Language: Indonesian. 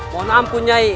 mohon ampun nyai